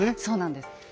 そうなんです。